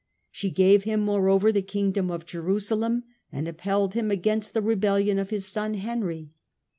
She gave him moreover the Kingdom of Jerusalem and upheld him against the rebellion of his son Henry.